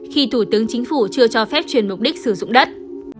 khi thủ tướng chính phủ chưa cho phép chuyển mục đích sử dụng đất